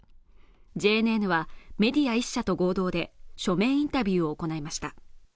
ＪＮＮはメディア１社と合同で書面インタビューを行いました